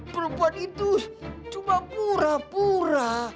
perempuan itu cuma pura pura